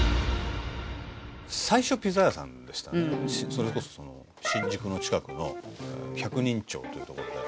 それこそ新宿の近くの百人町という所で。